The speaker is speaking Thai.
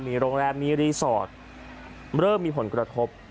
มีโรงแรมมีรีสอร์ทเริ่มมีผลกระทบ